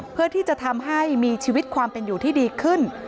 เพื่อที่จะทำให้มีชีวิตความเป็นอยู่ที่ดีขึ้น